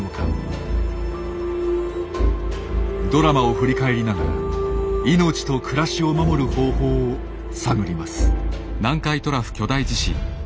ドラマを振り返りながら命と暮らしを守る方法を探ります。